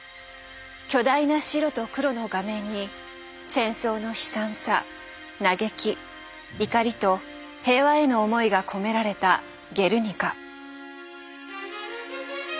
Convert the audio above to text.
巨大な白と黒の画面に戦争の悲惨さ嘆き怒りと平和への思いが込められた「ゲルニカ」。